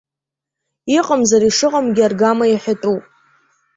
Иҟамзар ишыҟамгьы аргама иҳәатәуп.